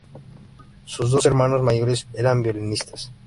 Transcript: Sus dos hermanos mayores eran violinistas.